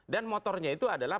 dan motornya itu adalah